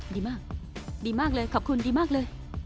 ดีมากเลยขอบคุณดีมากเลย